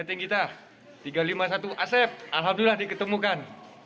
ini letting kita tiga ratus lima puluh satu asep alhamdulillah diketemukan